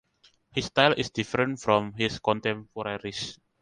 His style is different from his contemporaries.